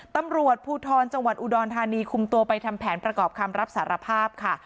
ตำรวจภูทรจังหวัดอุดรธานีคุมตัวไปทำแผนประกอบคำรับสารภาพค่ะ